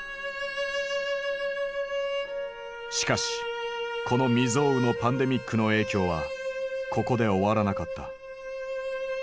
しかしこの未曽有のパンデミックの影響はここで終わらなかった。